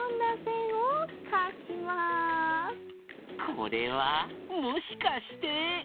これはもしかして。